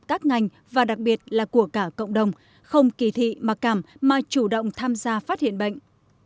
các ngành và đặc biệt là của cả cộng đồng không kỳ thị mà cảm mà chủ động tham gia phát hiện bệnh